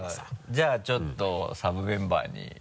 じゃあちょっとサブメンバーに。